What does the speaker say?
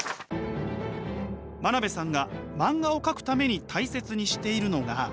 真鍋さんが漫画を描くために大切にしているのが。